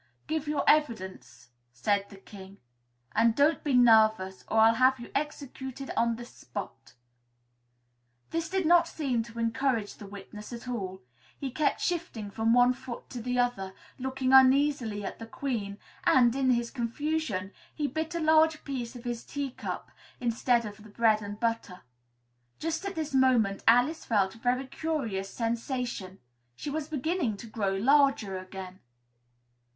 "Give your evidence," said the King, "and don't be nervous, or I'll have you executed on the spot." This did not seem to encourage the witness at all; he kept shifting from one foot to the other, looking uneasily at the Queen, and, in his confusion, he bit a large piece out of his teacup instead of the bread and butter. Just at this moment Alice felt a very curious sensation she was beginning to grow larger again.